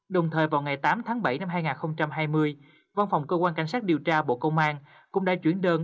đồng thời vào ngày tám tháng bảy năm hai nghìn hai mươi văn phòng cơ quan cảnh sát điều tra bộ công an cũng đã chuyển đơn